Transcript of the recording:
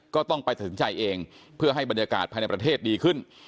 ก็ต้องไปตัดสินใจเองเพื่อให้บรรยากาศภายในประเทศดีขึ้น